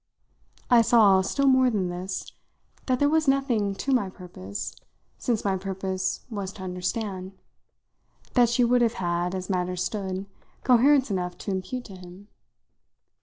I saw still more than this that there was nothing to my purpose (since my purpose was to understand) that she would have had, as matters stood, coherence enough to impute to him.